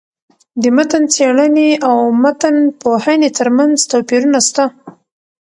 د متن څېړني او متن پوهني ترمنځ توپيرونه سته.